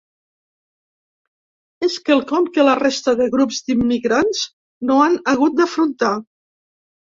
És quelcom que la resta de grups d’immigrants no han hagut d’afrontar.